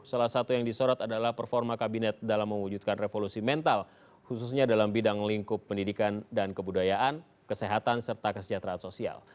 salah satu yang disorot adalah performa kabinet dalam mewujudkan revolusi mental khususnya dalam bidang lingkup pendidikan dan kebudayaan kesehatan serta kesejahteraan sosial